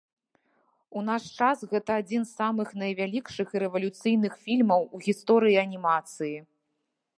У наш час гэта адзін з самых найвялікшых і рэвалюцыйных фільмаў у гісторыі анімацыі.